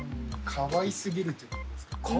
かわいすぎるってことですか